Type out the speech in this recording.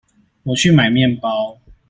我去買麵包